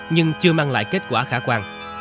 nhưng chưa mang lại kết quả khả quan